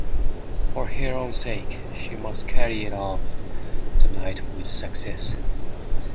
For her own sake, she must carry it off tonight with success.